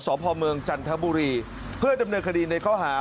สพเมืองจันทบุรีเพื่อดำเนินคดีในข้อหา